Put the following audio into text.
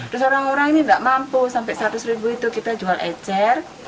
terus orang orang ini tidak mampu sampai rp seratus itu kita jual ecer